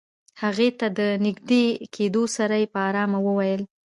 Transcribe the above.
هغې ته له نژدې کېدو سره يې په آرامه وويل.